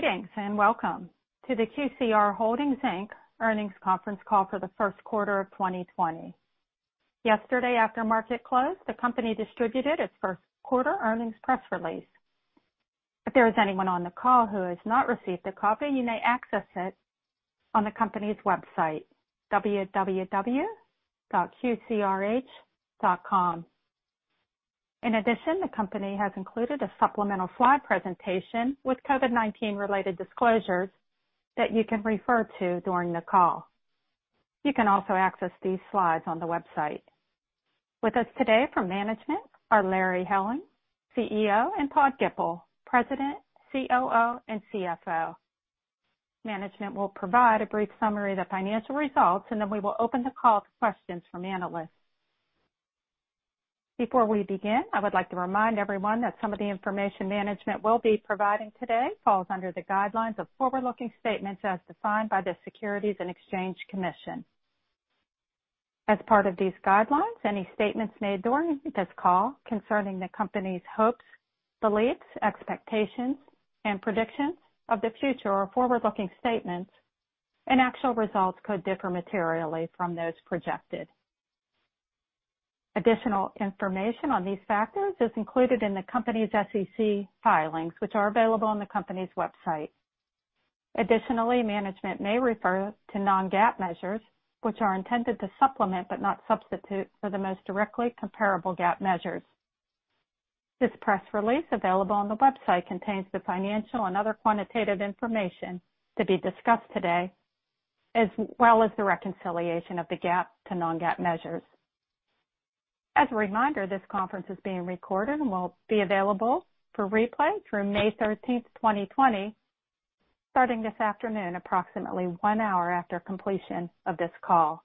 Greetings and welcome to the QCR Holdings earnings conference call for the first quarter of 2020. Yesterday, after market close, the company distributed its first quarter earnings press release. If there is anyone on the call who has not received a copy, you may access it on the company's website, www.qcrh.com. In addition, the company has included a supplemental slide presentation with COVID-19-related disclosures that you can refer to during the call. You can also access these slides on the website. With us today from management are Larry Helling, CEO, and Todd Gipple, President, COO, and CFO. Management will provide a brief summary of the financial results, and then we will open the call to questions from analysts. Before we begin, I would like to remind everyone that some of the information management will be providing today falls under the guidelines of forward-looking statements as defined by the Securities and Exchange Commission. As part of these guidelines, any statements made during this call concerning the company's hopes, beliefs, expectations, and predictions of the future are forward-looking statements, and actual results could differ materially from those projected. Additional information on these factors is included in the company's SEC filings, which are available on the company's website. Additionally, management may refer to non-GAAP measures, which are intended to supplement but not substitute for the most directly comparable GAAP measures. This press release, available on the website, contains the financial and other quantitative information to be discussed today, as well as the reconciliation of the GAAP to non-GAAP measures. As a reminder, this conference is being recorded and will be available for replay through May 13, 2020, starting this afternoon, approximately one hour after completion of this call.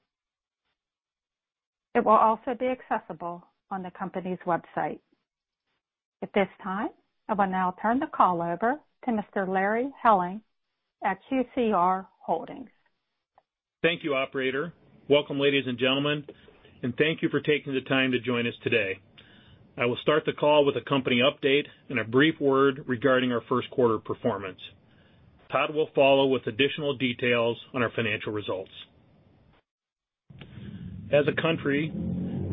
It will also be accessible on the company's website. At this time, I will now turn the call over to Mr. Larry Helling at QCR Holdings. Thank you, Operator. Welcome, ladies and gentlemen, and thank you for taking the time to join us today. I will start the call with a company update and a brief word regarding our first quarter performance. Todd will follow with additional details on our financial results. As a country,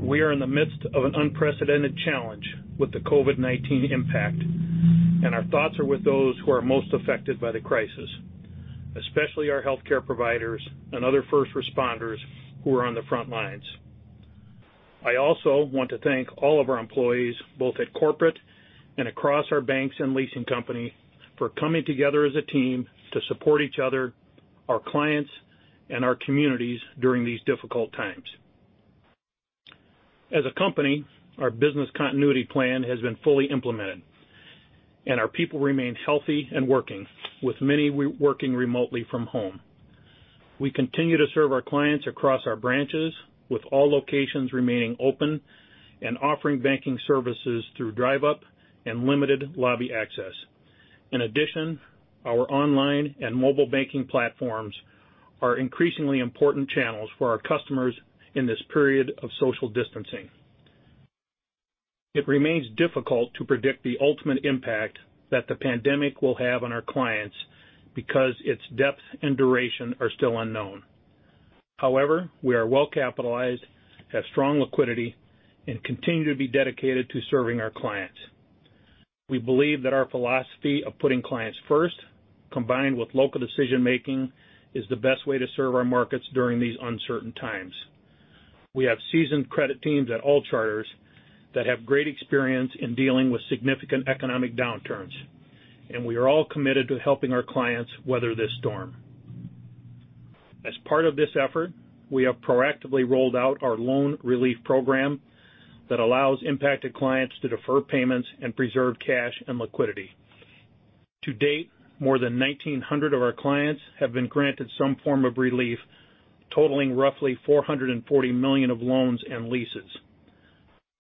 we are in the midst of an unprecedented challenge with the COVID-19 impact, and our thoughts are with those who are most affected by the crisis, especially our healthcare providers and other first responders who are on the front lines. I also want to thank all of our employees, both at corporate and across our banks and leasing company, for coming together as a team to support each other, our clients, and our communities during these difficult times. As a company, our business continuity plan has been fully implemented, and our people remain healthy and working, with many working remotely from home. We continue to serve our clients across our branches, with all locations remaining open and offering banking services through drive-up and limited lobby access. In addition, our online and mobile banking platforms are increasingly important channels for our customers in this period of social distancing. It remains difficult to predict the ultimate impact that the pandemic will have on our clients because its depth and duration are still unknown. However, we are well capitalized, have strong liquidity, and continue to be dedicated to serving our clients. We believe that our philosophy of putting clients first, combined with local decision-making, is the best way to serve our markets during these uncertain times. We have seasoned credit teams at all charters that have great experience in dealing with significant economic downturns, and we are all committed to helping our clients weather this storm. As part of this effort, we have proactively rolled out our loan relief program that allows impacted clients to defer payments and preserve cash and liquidity. To date, more than 1,900 of our clients have been granted some form of relief, totaling roughly $440 million of loans and leases.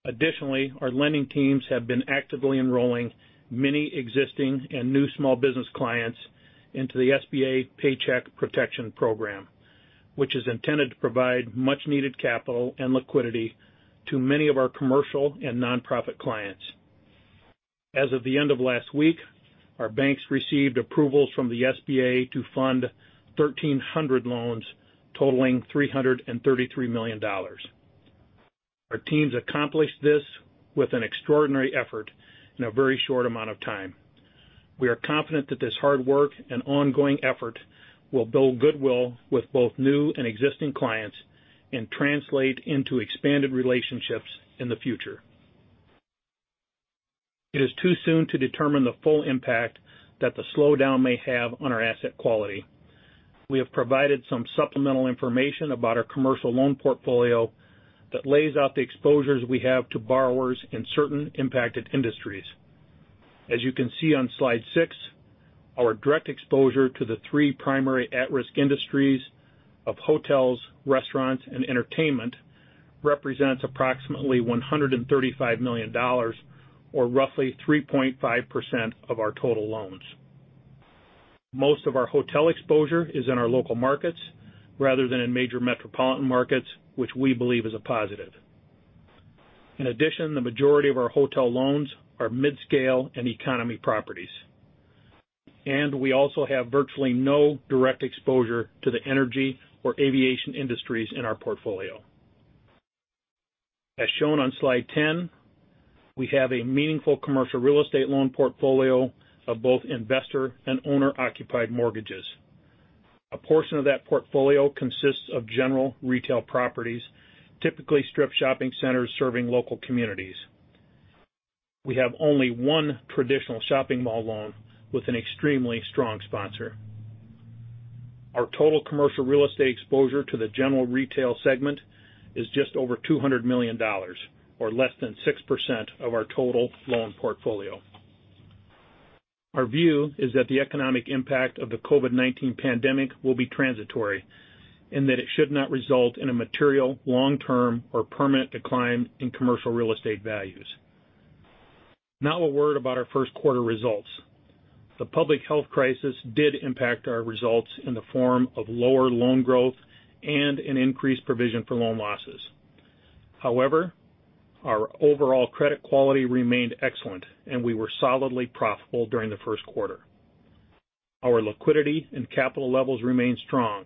Additionally, our lending teams have been actively enrolling many existing and new small business clients into the SBA Paycheck Protection Program, which is intended to provide much-needed capital and liquidity to many of our commercial and nonprofit clients. As of the end of last week, our banks received approvals from the SBA to fund 1,300 loans totaling $333 million. Our teams accomplished this with an extraordinary effort in a very short amount of time. We are confident that this hard work and ongoing effort will build goodwill with both new and existing clients and translate into expanded relationships in the future. It is too soon to determine the full impact that the slowdown may have on our asset quality. We have provided some supplemental information about our commercial loan portfolio that lays out the exposures we have to borrowers in certain impacted industries. As you can see on slide six, our direct exposure to the three primary at-risk industries of hotels, restaurants, and entertainment represents approximately $135 million, or roughly 3.5% of our total loans. Most of our hotel exposure is in our local markets rather than in major metropolitan markets, which we believe is a positive. In addition, the majority of our hotel loans are mid-scale and economy properties, and we also have virtually no direct exposure to the energy or aviation industries in our portfolio. As shown on slide 10, we have a meaningful commercial real estate loan portfolio of both investor and owner-occupied mortgages. A portion of that portfolio consists of general retail properties, typically strip shopping centers serving local communities. We have only one traditional shopping mall loan with an extremely strong sponsor. Our total commercial real estate exposure to the general retail segment is just over $200 million, or less than 6% of our total loan portfolio. Our view is that the economic impact of the COVID-19 pandemic will be transitory and that it should not result in a material, long-term, or permanent decline in commercial real estate values. Not a word about our first quarter results. The public health crisis did impact our results in the form of lower loan growth and an increased provision for loan losses. However, our overall credit quality remained excellent, and we were solidly profitable during the first quarter. Our liquidity and capital levels remain strong.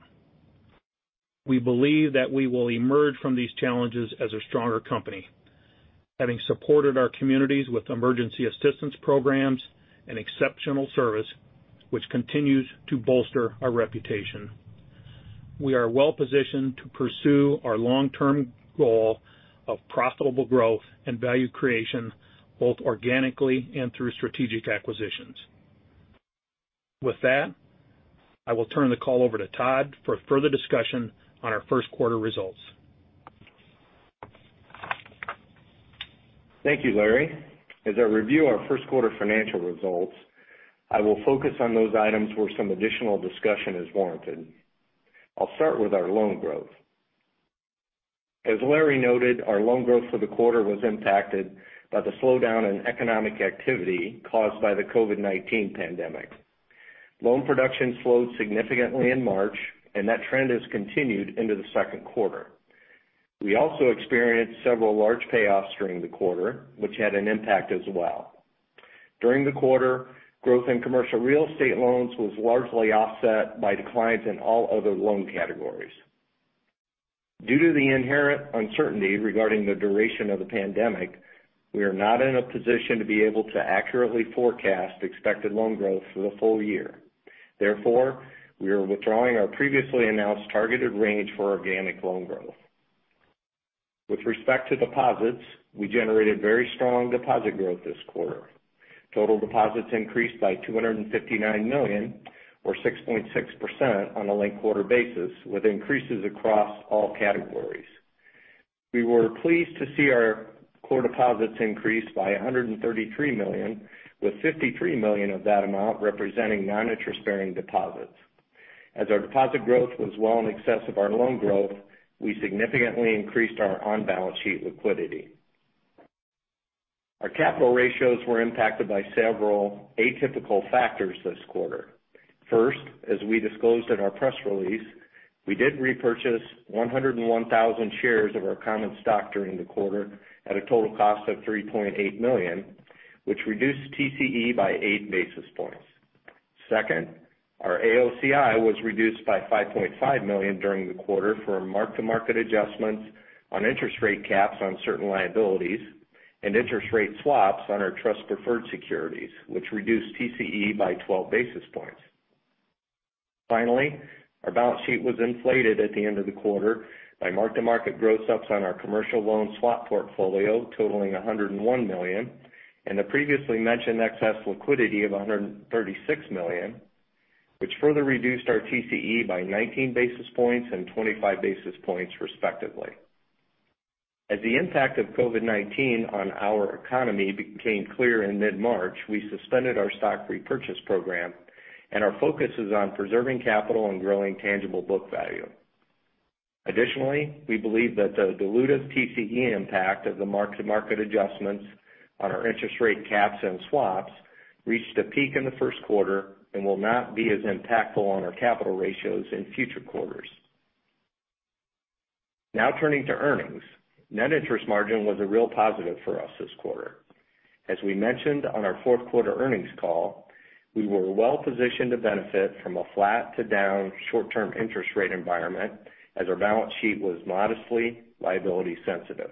We believe that we will emerge from these challenges as a stronger company, having supported our communities with emergency assistance programs and exceptional service, which continues to bolster our reputation. We are well positioned to pursue our long-term goal of profitable growth and value creation, both organically and through strategic acquisitions. With that, I will turn the call over to Todd for further discussion on our first quarter results. Thank you, Larry. As I review our first quarter financial results, I will focus on those items where some additional discussion is warranted. I'll start with our loan growth. As Larry noted, our loan growth for the quarter was impacted by the slowdown in economic activity caused by the COVID-19 pandemic. Loan production slowed significantly in March, and that trend has continued into the second quarter. We also experienced several large payoffs during the quarter, which had an impact as well. During the quarter, growth in commercial real estate loans was largely offset by declines in all other loan categories. Due to the inherent uncertainty regarding the duration of the pandemic, we are not in a position to be able to accurately forecast expected loan growth for the full year. Therefore, we are withdrawing our previously announced targeted range for organic loan growth. With respect to deposits, we generated very strong deposit growth this quarter. Total deposits increased by $259 million, or 6.6% on a late quarter basis, with increases across all categories. We were pleased to see our core deposits increase by $133 million, with $53 million of that amount representing non-interest-bearing deposits. As our deposit growth was well in excess of our loan growth, we significantly increased our on-balance sheet liquidity. Our capital ratios were impacted by several atypical factors this quarter. First, as we disclosed in our press release, we did repurchase 101,000 shares of our common stock during the quarter at a total cost of $3.8 million, which reduced TCE by eight basis points. Second, our AOCI was reduced by $5.5 million during the quarter for mark-to-market adjustments on interest rate caps on certain liabilities and interest rate swaps on our trust-preferred securities, which reduced TCE by 12 basis points. Finally, our balance sheet was inflated at the end of the quarter by mark-to-market growth ups on our commercial loan swap portfolio totaling $101 million and the previously mentioned excess liquidity of $136 million, which further reduced our TCE by 19 basis points and 25 basis points, respectively. As the impact of COVID-19 on our economy became clear in mid-March, we suspended our stock repurchase program, and our focus is on preserving capital and growing tangible book value. Additionally, we believe that the diluted TCE impact of the mark-to-market adjustments on our interest rate caps and swaps reached a peak in the first quarter and will not be as impactful on our capital ratios in future quarters. Now turning to earnings, net interest margin was a real positive for us this quarter. As we mentioned on our fourth quarter earnings call, we were well positioned to benefit from a flat-to-down short-term interest rate environment as our balance sheet was modestly liability-sensitive.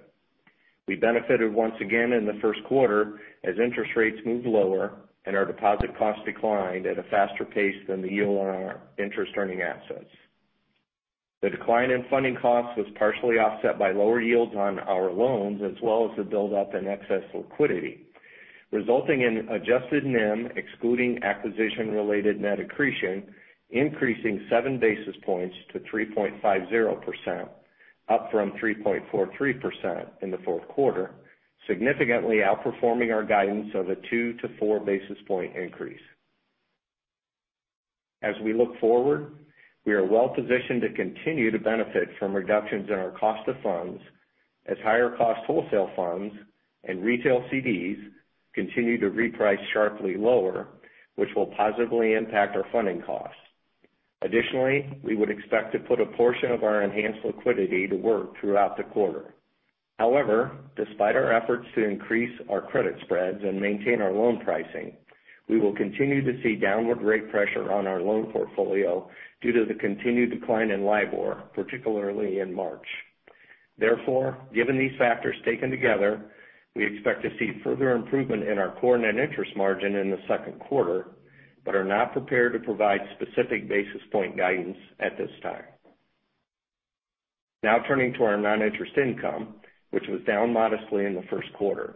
We benefited once again in the first quarter as interest rates moved lower and our deposit costs declined at a faster pace than the yield on our interest-earning assets. The decline in funding costs was partially offset by lower yields on our loans as well as the build-up in excess liquidity, resulting in adjusted NIM excluding acquisition-related net accretion increasing seven basis points to 3.50%, up from 3.43% in the fourth quarter, significantly outperforming our guidance of a two to four basis point increase. As we look forward, we are well positioned to continue to benefit from reductions in our cost of funds as higher-cost wholesale funds and retail CDs continue to reprice sharply lower, which will positively impact our funding costs. Additionally, we would expect to put a portion of our enhanced liquidity to work throughout the quarter. However, despite our efforts to increase our credit spreads and maintain our loan pricing, we will continue to see downward rate pressure on our loan portfolio due to the continued decline in Libor, particularly in March. Therefore, given these factors taken together, we expect to see further improvement in our core net interest margin in the second quarter, but are not prepared to provide specific basis point guidance at this time. Now turning to our non-interest income, which was down modestly in the first quarter.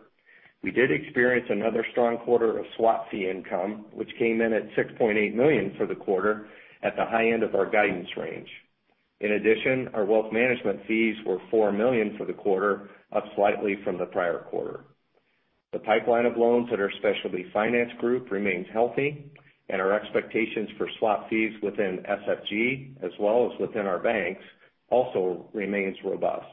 We did experience another strong quarter of swap fee income, which came in at $6.8 million for the quarter at the high end of our guidance range. In addition, our wealth management fees were $4 million for the quarter, up slightly from the prior quarter. The pipeline of loans at our Specialty Finance Group remains healthy, and our expectations for swap fees within SFG, as well as within our banks, also remain robust.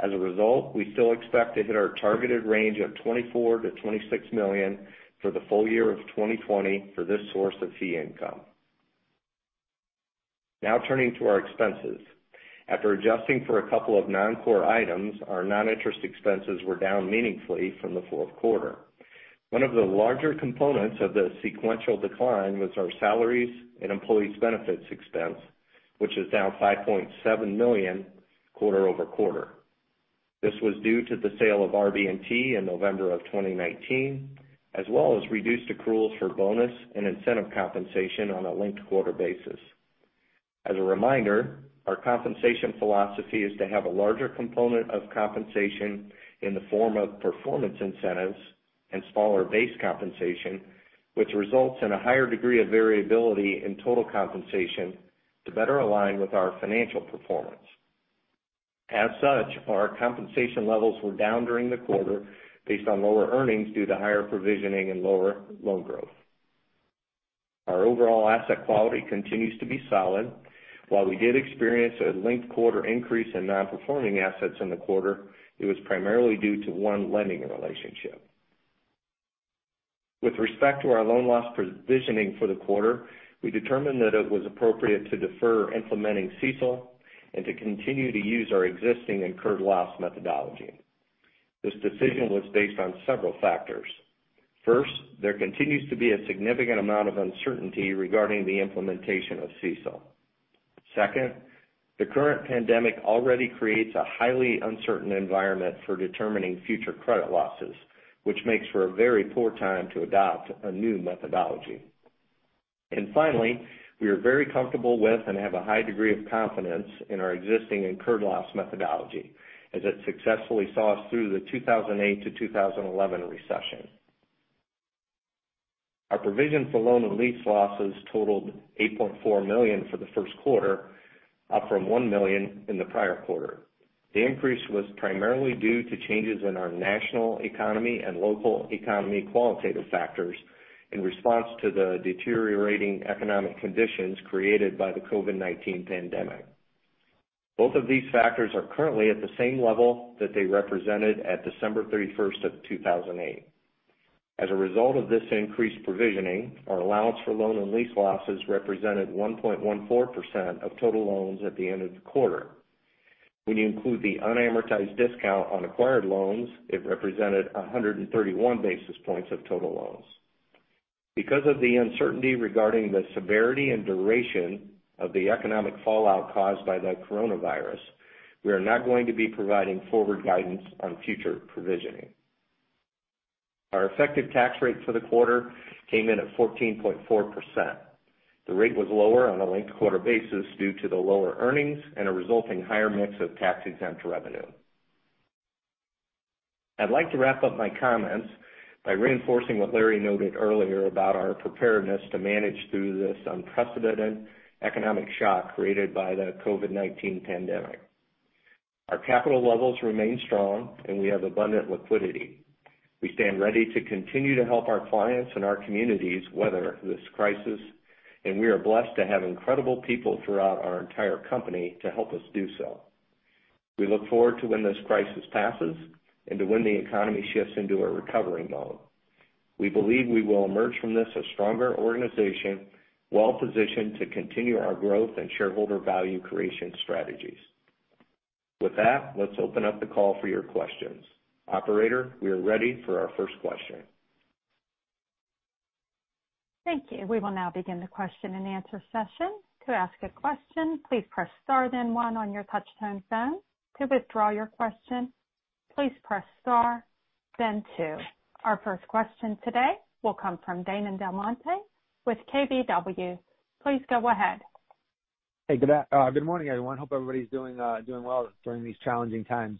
As a result, we still expect to hit our targeted range of $24 million-$26 million for the full year of 2020 for this source of fee income. Now turning to our expenses. After adjusting for a couple of non-core items, our non-interest expenses were down meaningfully from the fourth quarter. One of the larger components of the sequential decline was our salaries and employees' benefits expense, which is down $5.7 million quarter over quarter. This was due to the sale of RB&T in November of 2019, as well as reduced accruals for bonus and incentive compensation on a linked quarter basis. As a reminder, our compensation philosophy is to have a larger component of compensation in the form of performance incentives and smaller base compensation, which results in a higher degree of variability in total compensation to better align with our financial performance. As such, our compensation levels were down during the quarter based on lower earnings due to higher provisioning and lower loan growth. Our overall asset quality continues to be solid. While we did experience a linked quarter increase in non-performing assets in the quarter, it was primarily due to one lending relationship. With respect to our loan loss provisioning for the quarter, we determined that it was appropriate to defer implementing CECL and to continue to use our existing incurred loss methodology. This decision was based on several factors. First, there continues to be a significant amount of uncertainty regarding the implementation of CECL. Second, the current pandemic already creates a highly uncertain environment for determining future credit losses, which makes for a very poor time to adopt a new methodology. Finally, we are very comfortable with and have a high degree of confidence in our existing incurred loss methodology as it successfully saw us through the 2008 to 2011 recession. Our provision for loan and lease losses totaled $8.4 million for the first quarter, up from $1 million in the prior quarter. The increase was primarily due to changes in our national economy and local economy qualitative factors in response to the deteriorating economic conditions created by the COVID-19 pandemic. Both of these factors are currently at the same level that they represented at December 31st of 2008. As a result of this increased provisioning, our allowance for loan and lease losses represented 1.14% of total loans at the end of the quarter. When you include the unamortized discount on acquired loans, it represented 131 basis points of total loans. Because of the uncertainty regarding the severity and duration of the economic fallout caused by the coronavirus, we are not going to be providing forward guidance on future provisioning. Our effective tax rate for the quarter came in at 14.4%. The rate was lower on a linked quarter basis due to the lower earnings and a resulting higher mix of tax-exempt revenue. I'd like to wrap up my comments by reinforcing what Larry noted earlier about our preparedness to manage through this unprecedented economic shock created by the COVID-19 pandemic. Our capital levels remain strong, and we have abundant liquidity. We stand ready to continue to help our clients and our communities weather this crisis, and we are blessed to have incredible people throughout our entire company to help us do so. We look forward to when this crisis passes and to when the economy shifts into a recovery mode. We believe we will emerge from this a stronger organization, well positioned to continue our growth and shareholder value creation strategies. With that, let's open up the call for your questions. Operator, we are ready for our first question. Thank you. We will now begin the question and answer session. To ask a question, please press star then one on your touch-tone phone. To withdraw your question, please press star, then two. Our first question today will come from Damon DelMonte with KBW. Please go ahead. Hey, good morning, everyone. Hope everybody's doing well during these challenging times.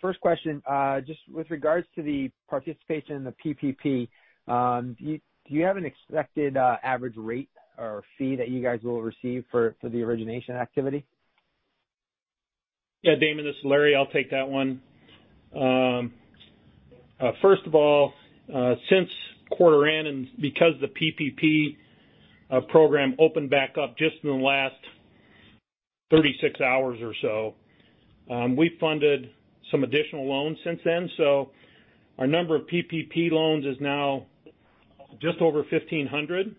First question, just with regards to the participation in the PPP, do you have an expected average rate or fee that you guys will receive for the origination activity? Yeah, Damon, this is Larry. I'll take that one. First of all, since quarter end and because the PPP program opened back up just in the last 36 hours or so, we funded some additional loans since then. Our number of PPP loans is now just over 1,500,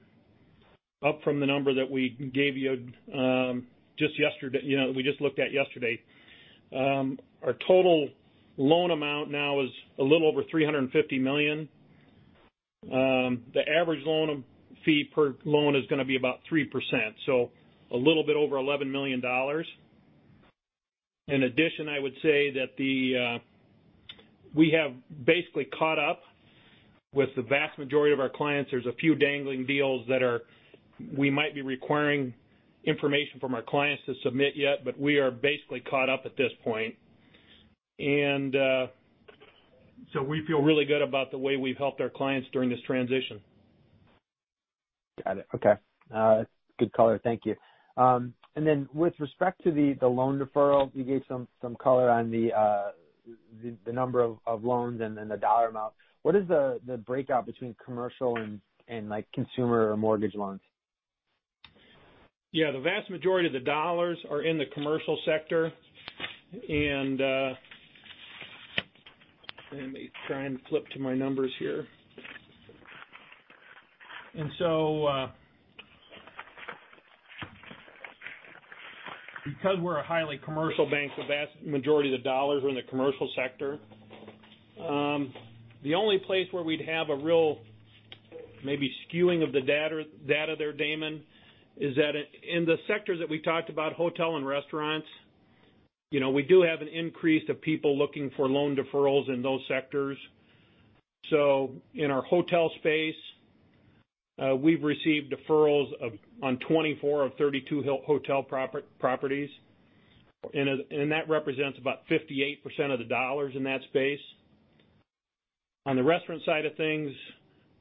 up from the number that we gave you just yesterday that we just looked at yesterday. Our total loan amount now is a little over $350 million. The average loan fee per loan is going to be about 3%, so a little bit over $11 million. In addition, I would say that we have basically caught up with the vast majority of our clients. There's a few dangling deals that we might be requiring information from our clients to submit yet, but we are basically caught up at this point. We feel really good about the way we've helped our clients during this transition. Got it. Okay. Good color. Thank you. With respect to the loan deferral, you gave some color on the number of loans and the dollar amount. What is the breakout between commercial and consumer or mortgage loans? Yeah, the vast majority of the dollars are in the commercial sector. Let me try and flip to my numbers here. Because we're a highly commercial bank, the vast majority of the dollars are in the commercial sector. The only place where we'd have a real maybe skewing of the data there, Damon, is that in the sectors that we talked about, hotel and restaurants, we do have an increase of people looking for loan deferrals in those sectors. In our hotel space, we've received deferrals on 24 of 32 hotel properties, and that represents about 58% of the dollars in that space. On the restaurant side of things,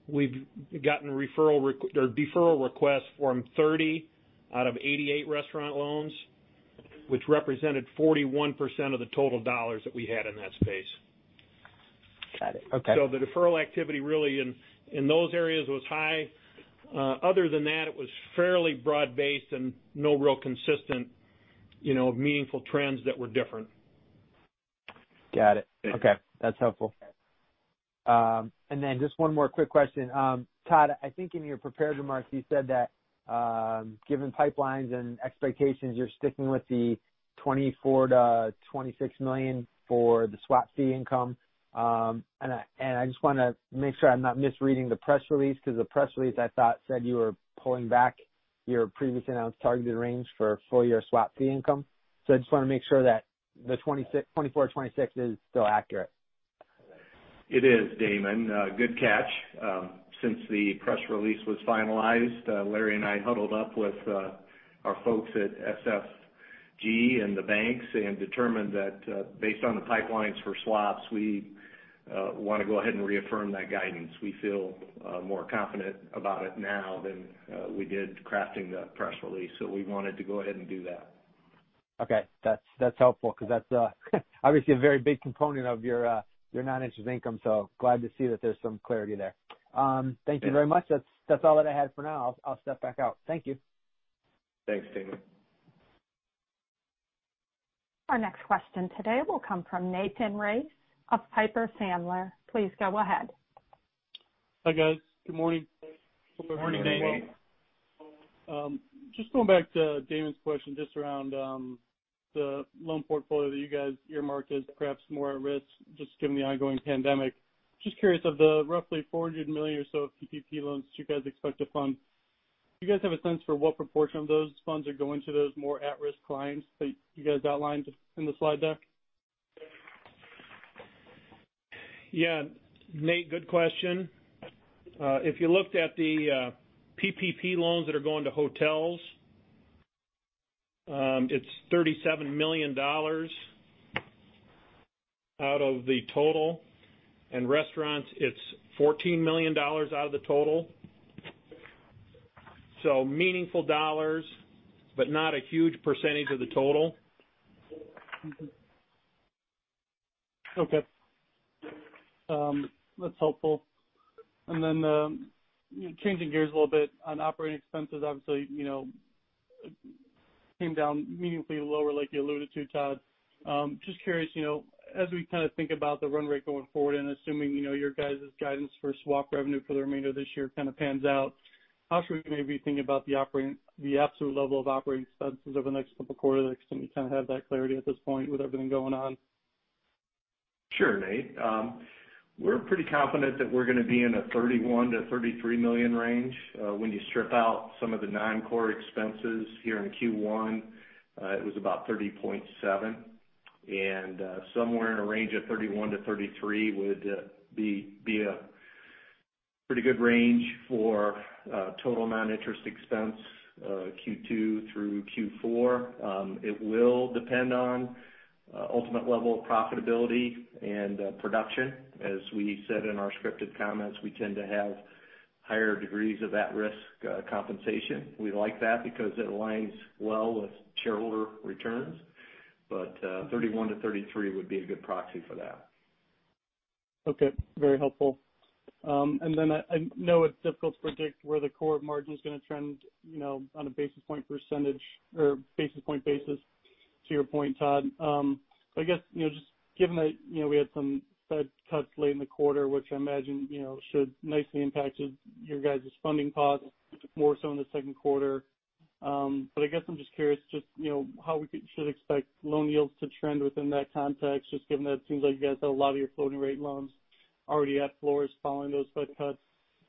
we've gotten deferral requests from 30 out of 88 restaurant loans, which represented 41% of the total dollars that we had in that space. Got it. Okay. The deferral activity really in those areas was high. Other than that, it was fairly broad-based and no real consistent meaningful trends that were different. Got it. Okay. That's helpful. Just one more quick question. Todd, I think in your prepared remarks, you said that given pipelines and expectations, you're sticking with the $24 million-$26 million for the swap fee income. I just want to make sure I'm not misreading the press release because the press release, I thought, said you were pulling back your previously announced targeted range for full year swap fee income. I just want to make sure that the $24 million-$26 million is still accurate. It is, Damon. Good catch. Since the press release was finalized, Larry and I huddled up with our folks at SFG and the banks and determined that based on the pipelines for swaps, we want to go ahead and reaffirm that guidance. We feel more confident about it now than we did crafting the press release. We wanted to go ahead and do that. Okay. That's helpful because that's obviously a very big component of your non-interest income. Glad to see that there's some clarity there. Thank you very much. That's all that I had for now. I'll step back out. Thank you. Thanks, Damon. Our next question today will come from Nathan Race of Piper Sandler. Please go ahead. Hi guys. Good morning. Good morning, Damon. Just going back to Damon's question just around the loan portfolio that you guys earmarked as perhaps more at risk just given the ongoing pandemic. Just curious, of the roughly $400 million or so of PPP loans that you guys expect to fund, do you guys have a sense for what proportion of those funds are going to those more at-risk clients that you guys outlined in the slide deck? Yeah. Nate, good question. If you looked at the PPP loans that are going to hotels, it's $37 million out of the total. And restaurants, it's $14 million out of the total. So meaningful dollars, but not a huge percentage of the total. Okay. That's helpful. Changing gears a little bit on operating expenses, obviously came down meaningfully lower, like you alluded to, Todd. Just curious, as we kind of think about the run rate going forward and assuming your guys' guidance for swap revenue for the remainder of this year kind of pans out, how should we maybe think about the absolute level of operating expenses over the next couple of quarters? Can you kind of have that clarity at this point with everything going on? Sure, Nate. We're pretty confident that we're going to be in a $31 million-$33 million range when you strip out some of the non-core expenses. Here in Q1, it was about $30.7 million. And somewhere in a range of $31 million-$33 million would be a pretty good range for total non-interest expense Q2 through Q4. It will depend on ultimate level of profitability and production. As we said in our scripted comments, we tend to have higher degrees of at-risk compensation. We like that because it aligns well with shareholder returns. But $31 million-$33 million would be a good proxy for that. Okay. Very helpful. I know it's difficult to predict where the core margin is going to trend on a basis point percentage or basis point basis to your point, Todd. I guess just given that we had some Fed cuts late in the quarter, which I imagine should nicely impact your guys' funding costs more so in the second quarter. I guess I'm just curious just how we should expect loan yields to trend within that context, just given that it seems like you guys have a lot of your floating rate loans already at floors following those Fed cuts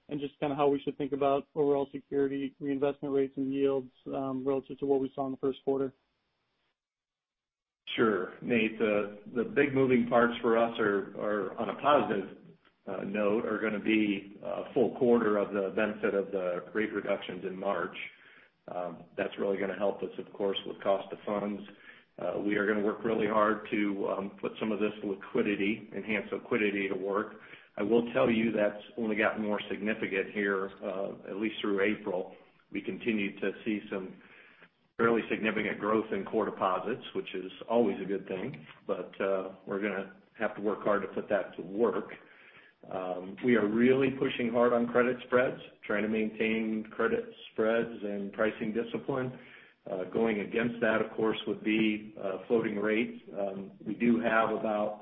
and just kind of how we should think about overall security reinvestment rates and yields relative to what we saw in the first quarter. Sure. Nate, the big moving parts for us are on a positive note are going to be full quarter of the benefit of the rate reductions in March. That's really going to help us, of course, with cost of funds. We are going to work really hard to put some of this liquidity, enhanced liquidity to work. I will tell you that's only gotten more significant here, at least through April. We continue to see some fairly significant growth in core deposits, which is always a good thing. We are going to have to work hard to put that to work. We are really pushing hard on credit spreads, trying to maintain credit spreads and pricing discipline. Going against that, of course, would be floating rates. We do have about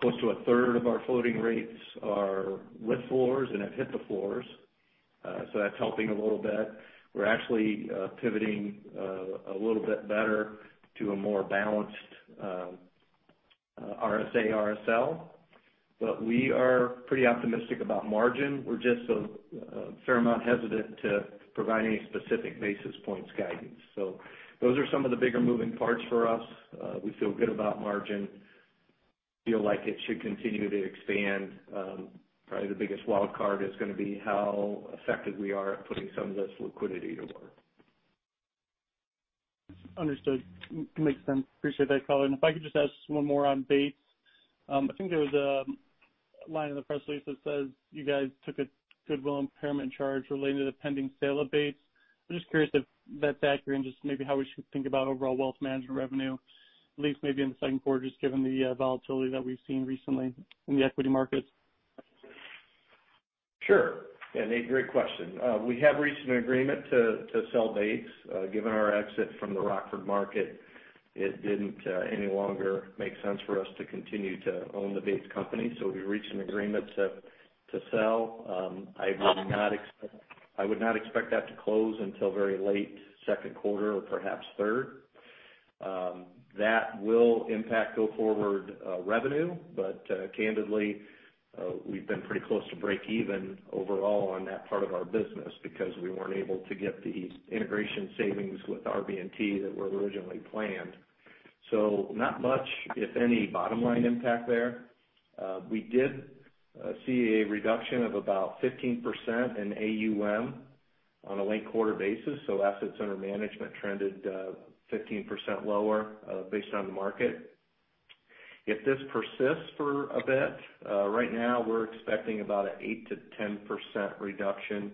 close to a third of our floating rates are with floors and have hit the floors. That's helping a little bit. We're actually pivoting a little bit better to a more balanced RSA/RSL. We are pretty optimistic about margin. We're just a fair amount hesitant to provide any specific basis points guidance. Those are some of the bigger moving parts for us. We feel good about margin. We feel like it should continue to expand. Probably the biggest wildcard is going to be how effective we are at putting some of this liquidity to work. Understood. Makes sense. Appreciate that, Colin. If I could just ask one more on Bates. I think there was a line in the press release that says you guys took a goodwill impairment charge related to the pending sale of Bates. I'm just curious if that's accurate and just maybe how we should think about overall wealth management revenue, at least maybe in the second quarter, just given the volatility that we've seen recently in the equity markets. Sure. Yeah, Nate, great question. We have reached an agreement to sell Bates. Given our exit from the Rockford market, it did not any longer make sense for us to continue to own the Bates company. We have reached an agreement to sell. I would not expect that to close until very late second quarter or perhaps third. That will impact go forward revenue. Candidly, we have been pretty close to break even overall on that part of our business because we were not able to get the integration savings with RB&T that were originally planned. Not much, if any, bottom line impact there. We did see a reduction of about 15% in AUM on a late quarter basis. Assets under management trended 15% lower based on the market. If this persists for a bit, right now we're expecting about an 8-10% reduction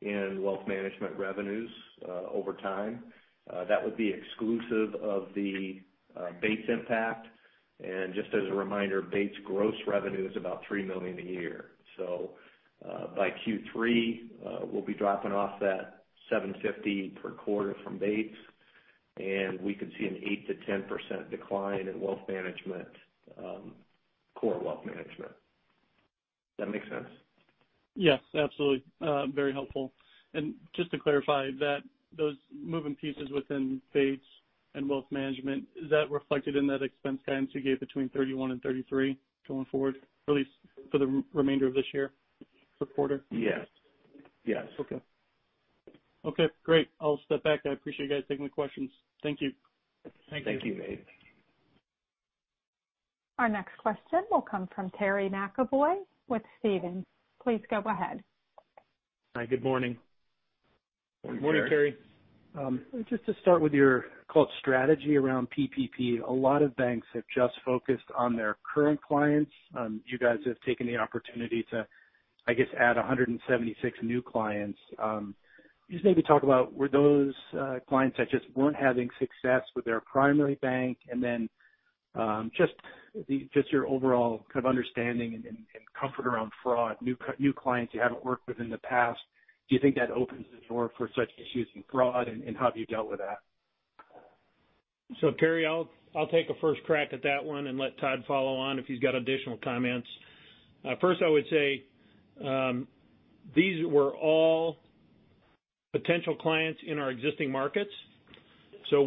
in wealth management revenues over time. That would be exclusive of the Bates impact. And just as a reminder, Bates gross revenue is about $3 million a year. So by Q3, we'll be dropping off that $750,000 per quarter from Bates. And we could see an 8%-10% decline in wealth management, core wealth management. Does that make sense? Yes, absolutely. Very helpful. Just to clarify, those moving pieces within Bates and wealth management, is that reflected in that expense guidance you gave between $31 million and $33 million going forward, at least for the remainder of this year, sub-quarter? Yes. Yes. Okay. Okay. Great. I'll step back. I appreciate you guys taking the questions. Thank you. Thank you, Nate. Our next question will come from Terry McEvoy with Stephens. Please go ahead. Hi. Good morning. Morning, Terry. Just to start with your, call it strategy around PPP, a lot of banks have just focused on their current clients. You guys have taken the opportunity to, I guess, add 176 new clients. Just maybe talk about were those clients that just were not having success with their primary bank? Just your overall kind of understanding and comfort around fraud, new clients you have not worked with in the past, do you think that opens the door for such issues in fraud? How have you dealt with that? Terry, I'll take a first crack at that one and let Todd follow on if he's got additional comments. First, I would say these were all potential clients in our existing markets.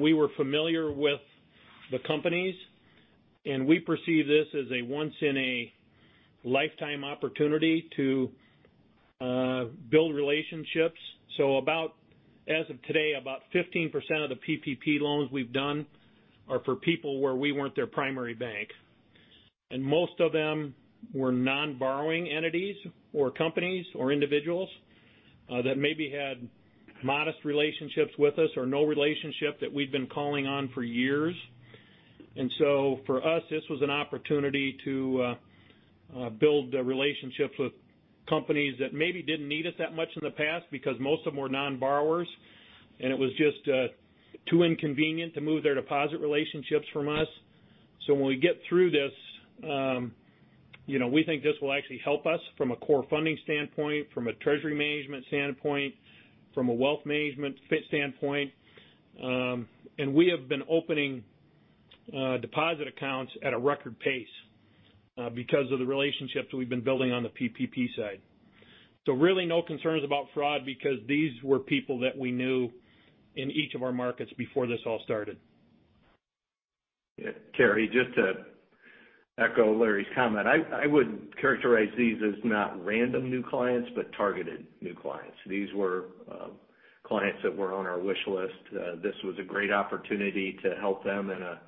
We were familiar with the companies. We perceive this as a once-in-a-lifetime opportunity to build relationships. As of today, about 15% of the PPP loans we've done are for people where we weren't their primary bank. Most of them were non-borrowing entities or companies or individuals that maybe had modest relationships with us or no relationship that we'd been calling on for years. For us, this was an opportunity to build relationships with companies that maybe didn't need us that much in the past because most of them were non-borrowers. It was just too inconvenient to move their deposit relationships from us. When we get through this, we think this will actually help us from a core funding standpoint, from a treasury management standpoint, from a wealth management standpoint. We have been opening deposit accounts at a record pace because of the relationships we've been building on the PPP side. Really no concerns about fraud because these were people that we knew in each of our markets before this all started. Terry, just to echo Larry's comment, I would characterize these as not random new clients, but targeted new clients. These were clients that were on our wish list. This was a great opportunity to help them in a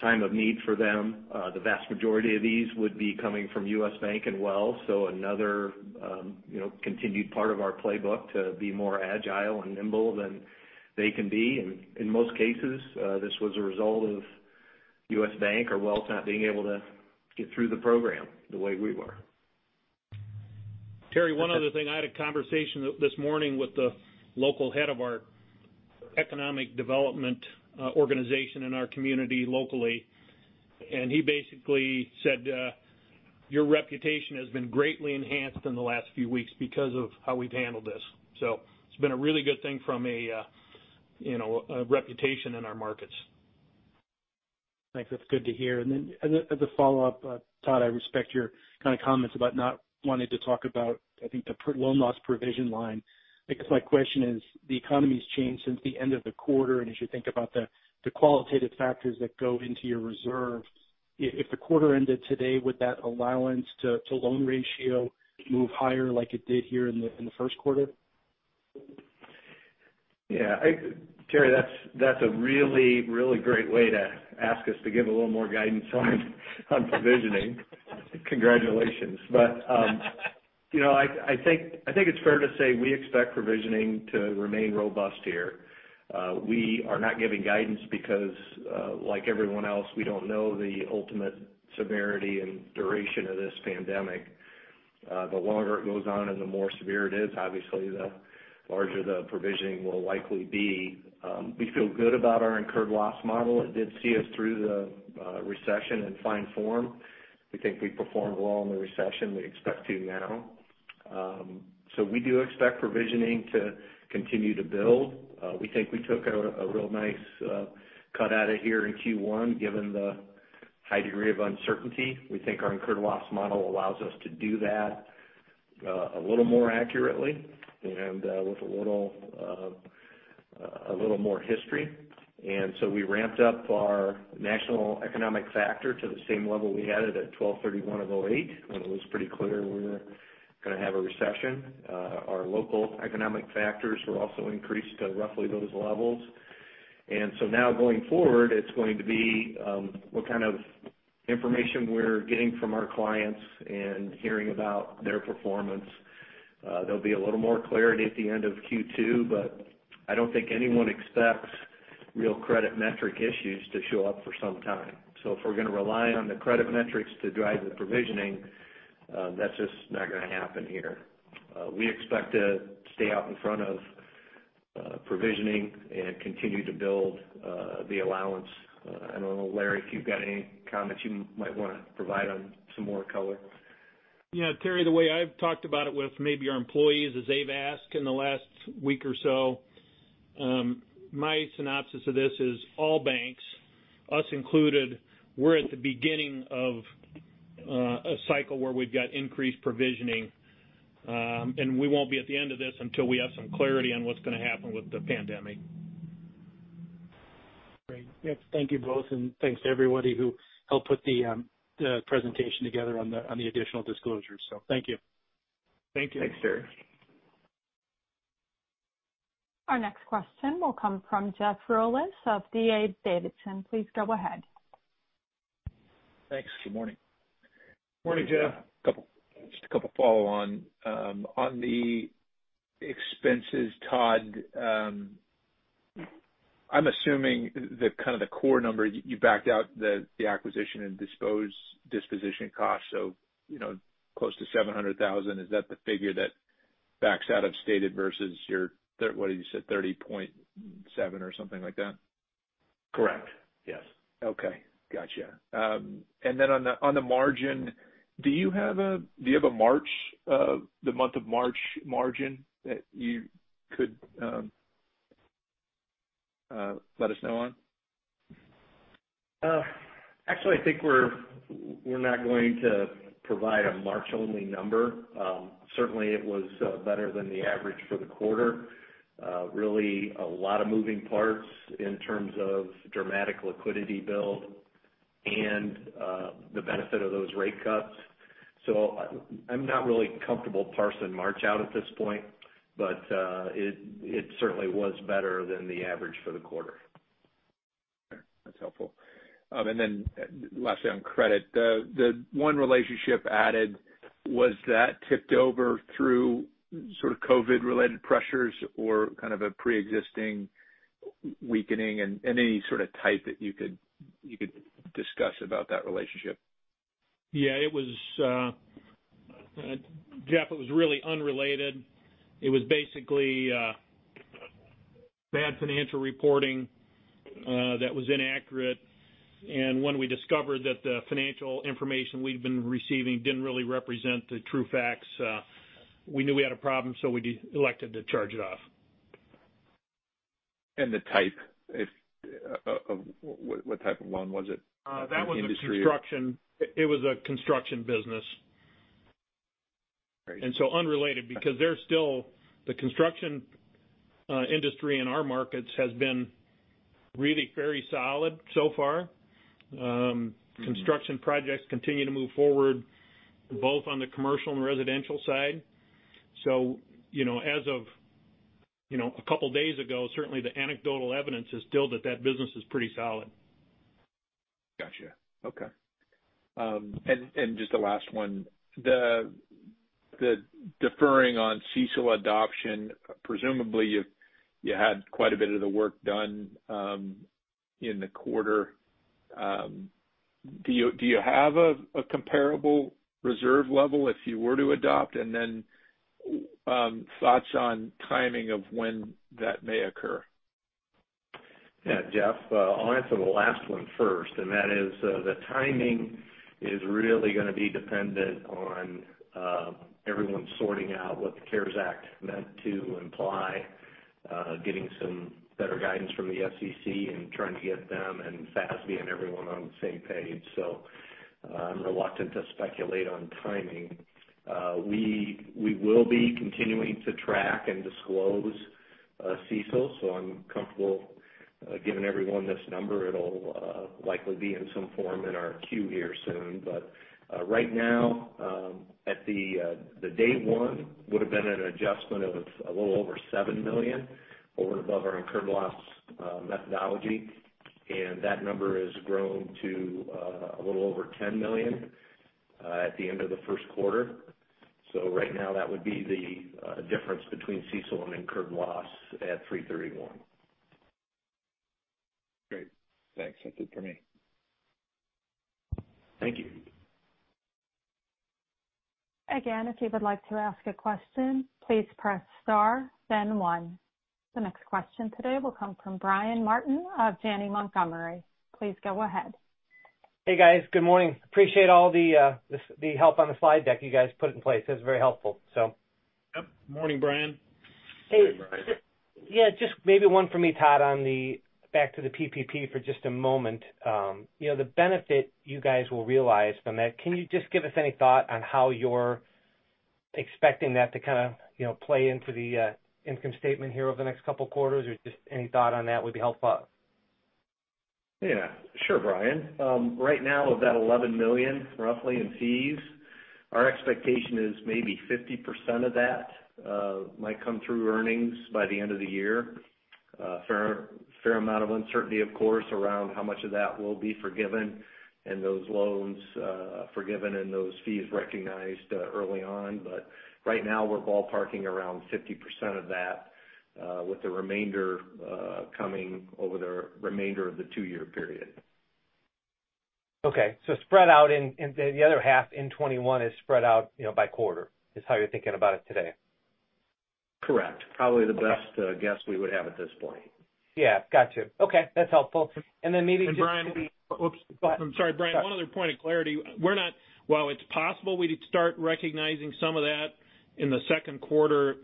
time of need for them. The vast majority of these would be coming from U.S. Bank and Wells Fargo. Another continued part of our playbook to be more agile and nimble than they can be. In most cases, this was a result of U.S. Bank or Wells Fargo not being able to get through the program the way we were. Terry, one other thing. I had a conversation this morning with the local head of our economic development organization in our community locally. He basically said, "Your reputation has been greatly enhanced in the last few weeks because of how we've handled this." It has been a really good thing from a reputation in our markets. Thanks. That's good to hear. As a follow-up, Todd, I respect your kind of comments about not wanting to talk about, I think, the loan loss provision line. I guess my question is, the economy's changed since the end of the quarter. As you think about the qualitative factors that go into your reserve, if the quarter ended today, would that allowance to loan ratio move higher like it did here in the first quarter? Yeah. Terry, that's a really, really great way to ask us to give a little more guidance on provisioning. Congratulations. I think it's fair to say we expect provisioning to remain robust here. We are not giving guidance because, like everyone else, we don't know the ultimate severity and duration of this pandemic. The longer it goes on and the more severe it is, obviously, the larger the provisioning will likely be. We feel good about our incurred loss model. It did see us through the recession in fine form. We think we performed well in the recession. We expect to now. We do expect provisioning to continue to build. We think we took a real nice cut out of here in Q1, given the high degree of uncertainty. We think our incurred loss model allows us to do that a little more accurately and with a little more history. We ramped up our national economic factor to the same level we had it at 12/31 of 2008 when it was pretty clear we were going to have a recession. Our local economic factors were also increased to roughly those levels. Now going forward, it's going to be what kind of information we're getting from our clients and hearing about their performance. There will be a little more clarity at the end of Q2, but I do not think anyone expects real credit metric issues to show up for some time. If we're going to rely on the credit metrics to drive the provisioning, that's just not going to happen here. We expect to stay out in front of provisioning and continue to build the allowance. I don't know, Larry, if you've got any comments you might want to provide on some more color. Yeah. Terry, the way I've talked about it with maybe our employees as they've asked in the last week or so, my synopsis of this is all banks, us included, we're at the beginning of a cycle where we've got increased provisioning. We won't be at the end of this until we have some clarity on what's going to happen with the pandemic. Great. Thank you both. Thanks to everybody who helped put the presentation together on the additional disclosures. Thank you. Thank you. Thanks, Terry. Our next question will come from Jeff Rulis of D.A. Davidson. Please go ahead. Thanks. Good morning. Morning, Jeff. Just a couple of follow-ons. On the expenses, Todd, I'm assuming that kind of the core number you backed out the acquisition and disposition costs, so close to $700,000, is that the figure that backs out of stated versus your, what did you say, $30.7 or something like that? Correct. Yes. Okay. Gotcha. On the margin, do you have a month of March margin that you could let us know on? Actually, I think we're not going to provide a March-only number. Certainly, it was better than the average for the quarter. Really a lot of moving parts in terms of dramatic liquidity build and the benefit of those rate cuts. I'm not really comfortable parsing March out at this point, but it certainly was better than the average for the quarter. That's helpful. Lastly, on credit, the one relationship added, was that tipped over through sort of COVID-related pressures or kind of a pre-existing weakening and any sort of type that you could discuss about that relationship? Yeah. Jeff, it was really unrelated. It was basically bad financial reporting that was inaccurate. When we discovered that the financial information we'd been receiving didn't really represent the true facts, we knew we had a problem, so we elected to charge it off. What type of loan was it? That was a construction. It was a construction business. It was unrelated because the construction industry in our markets has been really very solid so far. Construction projects continue to move forward both on the commercial and residential side. As of a couple of days ago, certainly the anecdotal evidence is still that that business is pretty solid. Gotcha. Okay. Just the last one, the deferring on CECL adoption, presumably you had quite a bit of the work done in the quarter. Do you have a comparable reserve level if you were to adopt? Thoughts on timing of when that may occur? Yeah, Jeff, I'll answer the last one first. That is, the timing is really going to be dependent on everyone sorting out what the CARES Act meant to imply, getting some better guidance from the SEC and trying to get them and FASB and everyone on the same page. I'm reluctant to speculate on timing. We will be continuing to track and disclose CECL. I'm comfortable giving everyone this number. It'll likely be in some form in our queue here soon. Right now, at the day one, would have been an adjustment of a little over $7 million over and above our incurred loss methodology. That number has grown to a little over $10 million at the end of the first quarter. Right now, that would be the difference between CECL and incurred loss at 3/31. Great. Thanks. That's it for me. Thank you. Again, if you would like to ask a question, please press star, then one. The next question today will come from Brian Martin of Janney Montgomery. Please go ahead. Hey, guys. Good morning. Appreciate all the help on the slide deck you guys put in place. That's very helpful. Yep. Good morning, Brian. Hey. Hey, Brian. Yeah. Just maybe one for me, Todd, back to the PPP for just a moment. The benefit you guys will realize from that, can you just give us any thought on how you're expecting that to kind of play into the income statement here over the next couple of quarters? Or just any thought on that would be helpful. Yeah. Sure, Brian. Right now, of that $11 million, roughly in fees, our expectation is maybe 50% of that might come through earnings by the end of the year. Fair amount of uncertainty, of course, around how much of that will be forgiven and those loans forgiven and those fees recognized early on. Right now, we're ballparking around 50% of that with the remainder coming over the remainder of the two-year period. Okay. Spread out in the other half in 2021 is spread out by quarter is how you're thinking about it today. Correct. Probably the best guess we would have at this point. Yeah. Gotcha. Okay. That's helpful. Maybe just. Brian, oops. I'm sorry, Brian. One other point of clarity. While it's possible we'd start recognizing some of that in the second quarter,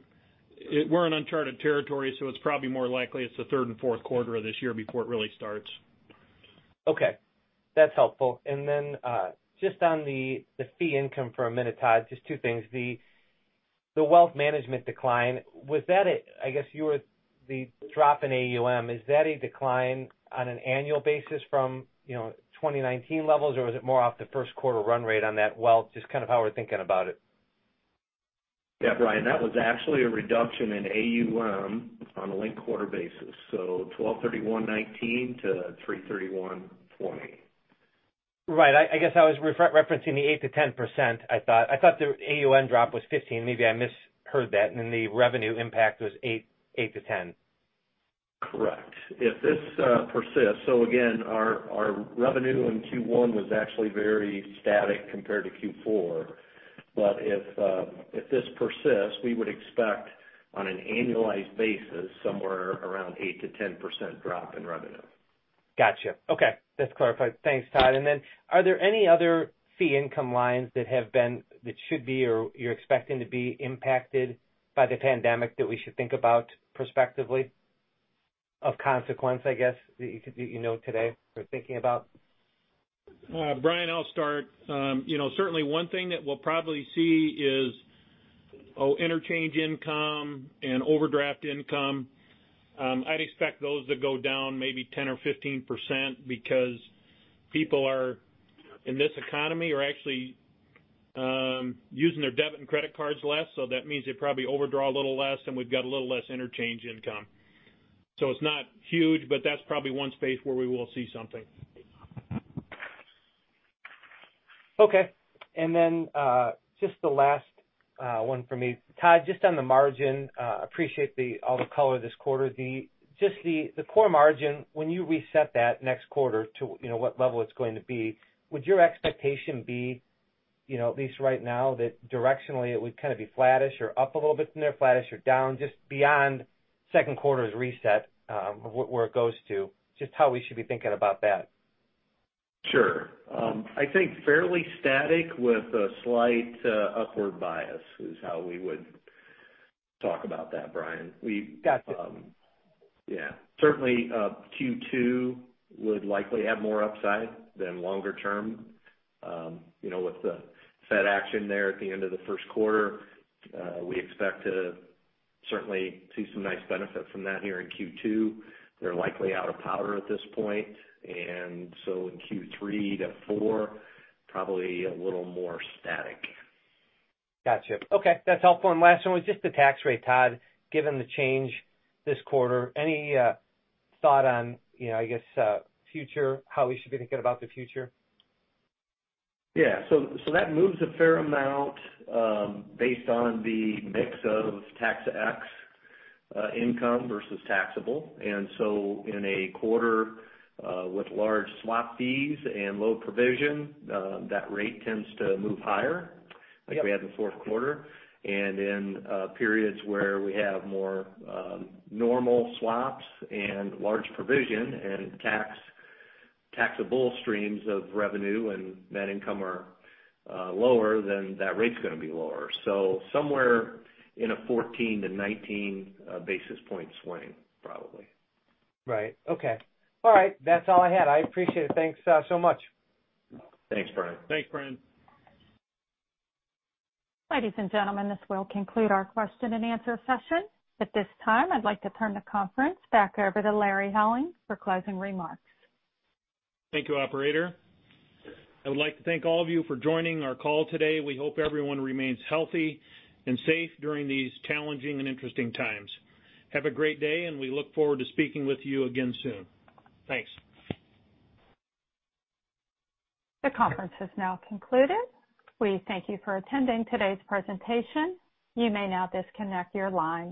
we're in uncharted territory, so it's probably more likely it's the third and fourth quarter of this year before it really starts. Okay. That's helpful. Just on the fee income for a minute, Todd, just two things. The wealth management decline, was that a—I guess you were the drop in AUM—is that a decline on an annual basis from 2019 levels, or was it more off the first quarter run rate on that? Just kind of how we're thinking about it. Yeah, Brian, that was actually a reduction in AUM on a link quarter basis. So 12/31/2019 to 3/31/2020. Right. I guess I was referencing the 8%-10%, I thought. I thought the AUM drop was 15%. Maybe I misheard that. And then the revenue impact was 8%-10%. Correct. If this persists, our revenue in Q1 was actually very static compared to Q4, but if this persists, we would expect on an annualized basis somewhere around 8%-10% drop in revenue. Gotcha. Okay. That's clarified. Thanks, Todd. Are there any other fee income lines that should be or you're expecting to be impacted by the pandemic that we should think about prospectively of consequence, I guess, that you know today we're thinking about? Brian, I'll start. Certainly, one thing that we'll probably see is interchange income and overdraft income. I'd expect those to go down maybe 10% or 15% because people in this economy are actually using their debit and credit cards less. That means they probably overdraw a little less, and we've got a little less interchange income. It's not huge, but that's probably one space where we will see something. Okay. And then just the last one for me. Todd, just on the margin, appreciate all the color this quarter. Just the core margin, when you reset that next quarter to what level it's going to be, would your expectation be, at least right now, that directionally it would kind of be flattish or up a little bit from there, flattish or down, just beyond second quarter's reset of where it goes to? Just how we should be thinking about that. Sure. I think fairly static with a slight upward bias is how we would talk about that, Brian. Gotcha. Yeah. Certainly, Q2 would likely have more upside than longer term. With the Fed action there at the end of the first quarter, we expect to certainly see some nice benefit from that here in Q2. They're likely out of power at this point. In Q3 to Q4, probably a little more static. Gotcha. Okay. That's helpful. Last one was just the tax rate, Todd. Given the change this quarter, any thought on, I guess, future, how we should be thinking about the future? Yeah. That moves a fair amount based on the mix of tax-to-ex income versus taxable. In a quarter with large swap fees and low provision, that rate tends to move higher like we had in the fourth quarter. In periods where we have more normal swaps and large provision and taxable streams of revenue and net income are lower, that rate's going to be lower. Somewhere in a 14-19 basis point swing, probably. Right. Okay. All right. That's all I had. I appreciate it. Thanks so much. Thanks, Brian. Thanks, Brian. Ladies and gentlemen, this will conclude our question and answer session. At this time, I'd like to turn the conference back over to Larry Helling for closing remarks. Thank you, operator. I would like to thank all of you for joining our call today. We hope everyone remains healthy and safe during these challenging and interesting times. Have a great day, and we look forward to speaking with you again soon. Thanks. The conference has now concluded. We thank you for attending today's presentation. You may now disconnect your line.